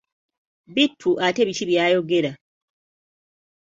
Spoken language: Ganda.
Bittu ate biki by'ayogera?